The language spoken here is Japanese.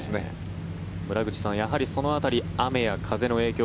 村口さんやはりその辺り雨や風の影響